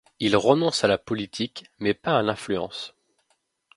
Il renonce à la politique, mais pas à l'influence.